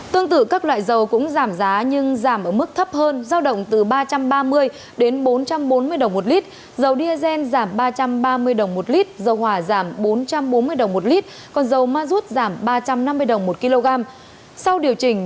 tương tự các loại dầu cũng giảm giá nhưng giảm ở mức thấp hơn